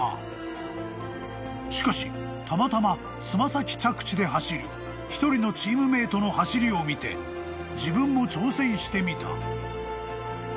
［しかしたまたまつま先着地で走る１人のチームメートの走りを見て自分も挑戦してみた］